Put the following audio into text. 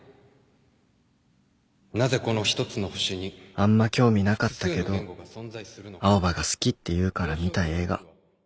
あんま興味なかったけど青羽が好きっていうから見た映画